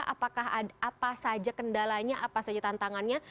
apakah apa saja kendalanya apa saja tantangannya